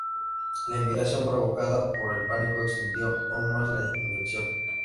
La emigración provocada por el pánico extendió aún más la infección.